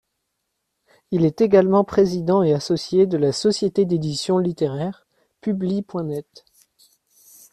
Il est également président et associé de la société d'édition littéraire Publie.net.